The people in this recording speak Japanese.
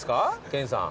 研さん。